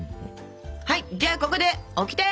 はいじゃあここでオキテ！